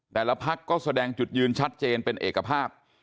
แต่ละภาคก็แสดงจุดยืนชัดเจนเป็นเอกภาพ